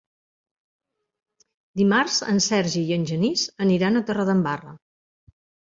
Dimarts en Sergi i en Genís aniran a Torredembarra.